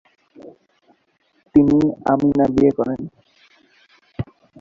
তিনি আমিনা বিয়ে করেন।